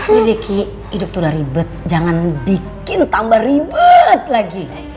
nih deh kiki hidup tuh udah ribet jangan bikin tambah ribet lagi